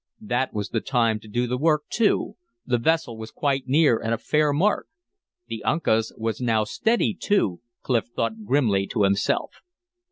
That was the time to do the work, too. The vessel was quite near, and a fair mark. The Uncas was now steady, too, Clif thought grimly to himself.